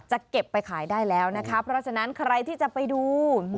เก็บไปขายได้แล้วนะคะเพราะฉะนั้นใครที่จะไปดู